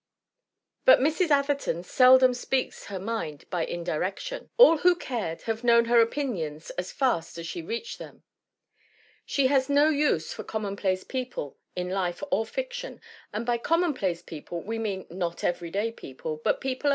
But Mrs. Atherton seldom speaks her mind by indirection; all who cared have known her opinions as fast as she reached them. She has no use for commonplace people in life or fiction; and by commonplace people we mean not everyday people, but people .